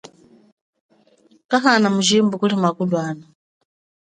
Kanahan mujibu kuli makulwana.